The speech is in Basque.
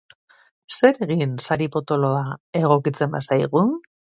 Zer egin sari potoloa egokitzen bazaigu?